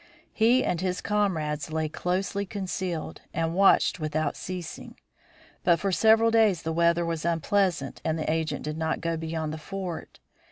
He and his comrades lay closely concealed, and watched without ceasing. But for several days the weather was unpleasant and the agent did not go beyond the fort.